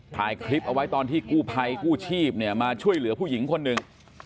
ถ่ายคลิปเอาไว้ตอนที่กู้ภัยกู้ชีพเนี่ยมาช่วยเหลือผู้หญิงคนหนึ่ง